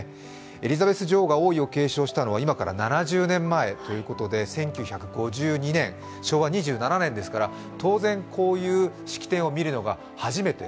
エリザベス女王が王位を継承したのは今からおよそ７０年前、１９５２年、昭和２７年ですから、当然、こういう式典を見るのが初めて。